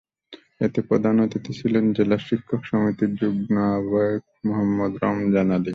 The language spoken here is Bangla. এতে প্রধান অতিথি ছিলেন জেলা শিক্ষক সমিতির যুগ্ম আহ্বায়ক মোহাম্মদ রমজান আলী।